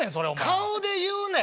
顔で言うねん。